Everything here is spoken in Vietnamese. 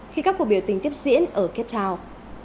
khi các cuộc biểu tình tiếp diễn ở cape town